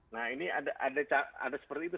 nah ini ada seperti itu